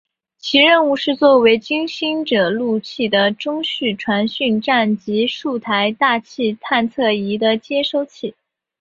其任务是做为金星着陆器的中继传讯站及数台大气探测仪器的接收器。